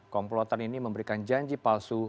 komplotan ini memberikan janji palsu